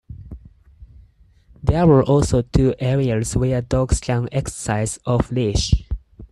There are also two areas where dogs can exercise off leash.